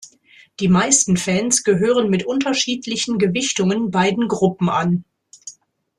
Die meisten Fans gehören mit unterschiedlichen Gewichtungen beiden Gruppen an.